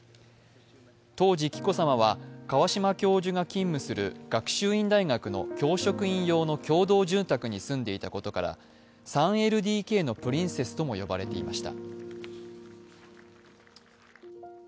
当時、紀子さまは川嶋教授が勤務する学習院大学の教職員用の共同住宅に住んでいたことから３ＬＤＫのプリンセスとも言われていました。